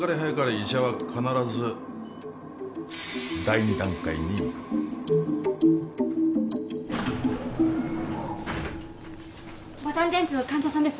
医者は必ず第二段階にいくボタン電池の患者さんです